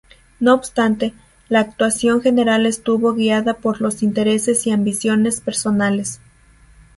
No obstante, la actuación general estuvo guiada por los intereses y ambiciones personales.